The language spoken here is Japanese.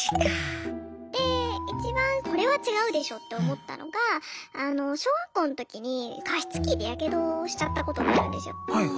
で一番これは違うでしょって思ったのが小学校の時に加湿器でヤケドをしちゃったことがあるんですよ。